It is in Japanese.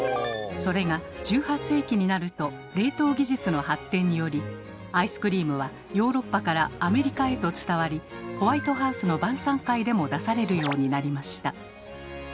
それが１８世紀になると冷凍技術の発展によりアイスクリームはヨーロッパからアメリカへと伝わりホワイトハウスの晩さん会でも出されるようになりました。